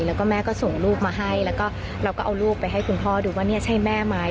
แล้วก็แม่ก็ส่งลูกมาให้แล้วก็เราก็เอาลูกไปให้คุณพ่อดูว่าเนี่ยใช่แม่ไหม